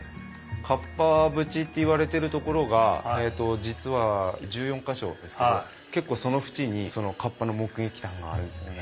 カッパ淵っていわれてる所が実は１４か所ですけど結構その淵に河童の目撃談があるんですよね。